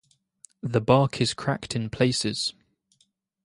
The bark is cracked in places.